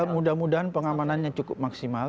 mudah mudahan pengamanannya cukup maksimal